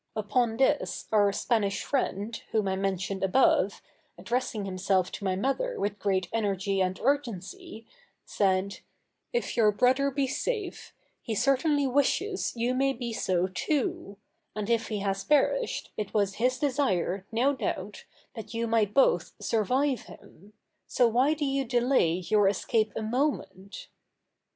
Upon this our Spanish friend, whom I mentioned above, addressing himself to my mother with great energy and urgency, said: 'If your brother be safe, he certainly wishes you may be so too: and if he has perished, it was his desire, no doubt, that you might both survive him: so why do you delay your escape a moment?